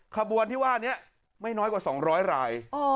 ขบวนที่ว่านี้ไม่น้อยกว่า๒๐๐ราย